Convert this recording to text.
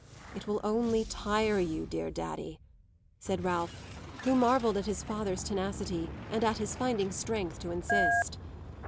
"It will only tire you, dear daddy," said Ralph, who marvelled at his father's tenacity and at his finding strength to insist.